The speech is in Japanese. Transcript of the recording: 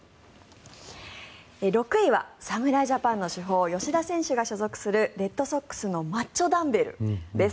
６位は侍ジャパンの主砲吉田選手が所属するレッドソックスのマッチョダンベルです。